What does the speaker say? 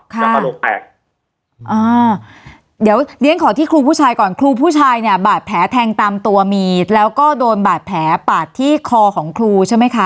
แล้วกระโหลกแตกอ่าเดี๋ยวเรียนขอที่ครูผู้ชายก่อนครูผู้ชายเนี่ยบาดแผลแทงตามตัวมีแล้วก็โดนบาดแผลปาดที่คอของครูใช่ไหมคะ